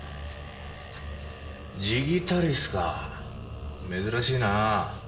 ジギタリスか珍しいな。